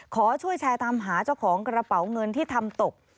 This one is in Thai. ขอช่วยแชร์ตามหาเจ้าของกระเป๋าเงินที่ทำตก